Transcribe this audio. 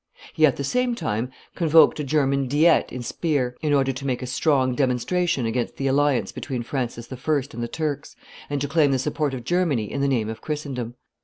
He at the same time convoked a German diet at Spires in order to make a strong demonstration against the alliance between Francis I. and the Turks, and to claim the support of Germany in the name of Christendom.